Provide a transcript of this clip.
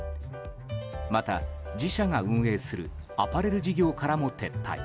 また自社が運営するアパレル事業からも撤退。